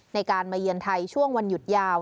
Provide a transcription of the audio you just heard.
ในการมาเยือนไทยช่วงวันหยุดยาว